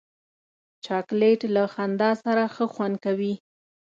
چاکلېټ له خندا سره ښه خوند کوي.